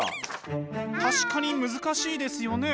確かに難しいですよね。